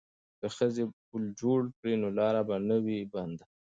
که ښځې پل جوړ کړي نو لاره به نه وي بنده.